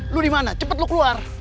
lu di mana cepet lo keluar